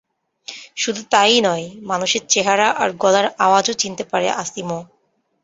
শুধু তা ই নয় মানুষের চেহারা আর গলার আওয়াজও চিনতে পারে আসিমো।